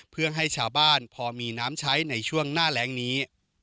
เพื่อให้ชาวบ้านพอมีน้ำใช้ในช่วงหน้าแรงนี้